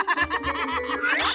kau selesai vega huh